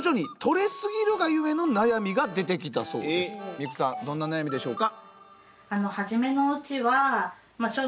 美紅さんどんな悩みでしょうか？